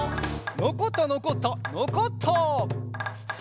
「のこったのこったのこった」